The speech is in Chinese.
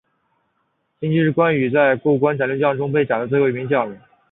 秦琪是关羽在过五关斩六将中被斩的最后一名将领。